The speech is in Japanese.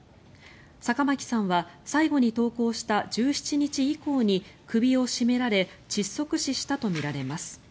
坂巻さんは最後に登校した１７日以降に首を絞められ窒息死したとみられます。